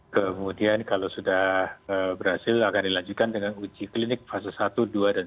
kemudian kalau sudah berhasil akan dilanjutkan dengan uji klinik fase satu dua dan tiga